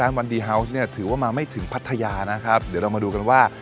วันดีฮาวส์เนี่ยถือว่ามาไม่ถึงพัทยานะครับเดี๋ยวเรามาดูกันว่า